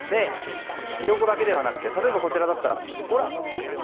ヒヨコだけではなく例えば、こちらだったら。